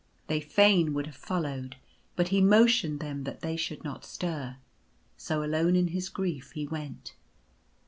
They fain would have followed ; but he motioned them that they should not stir. So, alone, in his grief he went.